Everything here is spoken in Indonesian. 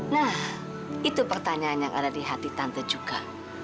nah itu pertanyaan yang ada di hati tante juga